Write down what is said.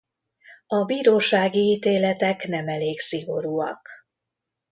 A bírósági ítéletek nem elég szigorúak.